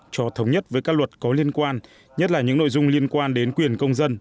cho thống nhất với các luật có liên quan nhất là những nội dung liên quan đến quyền công dân